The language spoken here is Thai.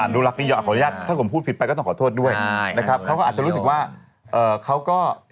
ขออนุญาตถ้าผมพูดผิดไปก็ต้องขอโทษด้วยนะครับเขาก็อาจจะรู้สึกว่าเขาก็